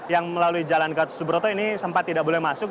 yang melalui jalan gatot subroto ini sempat tidak boleh masuk